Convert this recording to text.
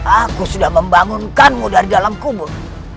aku sudah membangunkanmu dari dalam kubur